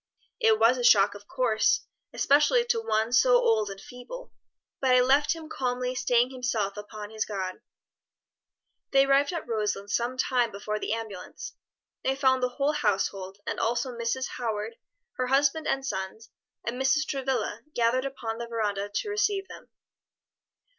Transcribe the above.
"It was a shock of course, especially to one so old and feeble; but I left him calmly staying himself upon his God." They arrived at Roselands some time before the ambulance. They found the whole household, and also Mrs. Howard, her husband and sons, and Mrs. Travilla, gathered upon the veranda to receive them.